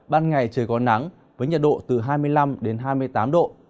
ban ngày trời còn nắng với nhiệt độ từ hai mươi năm hai mươi tám độ